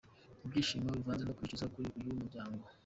Ibyishimo bivanze no kwicuza kuri uyu muryango.